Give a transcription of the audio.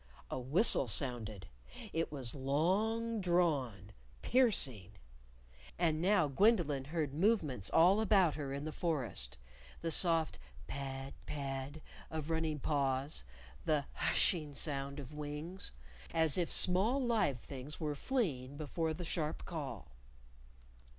A whistle sounded. It was long drawn, piercing. And now Gwendolyn heard movements all about her in the forest the soft pad, pad of running paws, the hushing sound of wings as if small live things were fleeing before the sharp call.